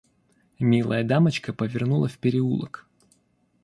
Милая дамочка повернула в переулок.